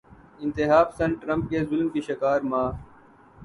انتہا پسند ٹرمپ کے ظلم کی شکار ماں